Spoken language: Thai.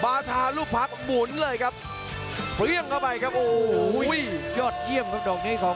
ทาลูกพักหมุนเลยครับเปรี้ยงเข้าไปครับโอ้โหยอดเยี่ยมครับดอกนี้ของ